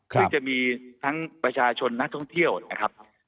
ซึ่งจะมีทั้งประชาชนนักท่องเที่ยวนะครับ